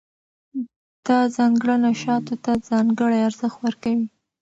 دا ځانګړنه شاتو ته ځانګړی ارزښت ورکوي.